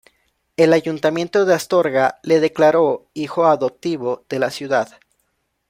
El Ayuntamiento de Astorga le declaró hijo adoptivo de la ciudad.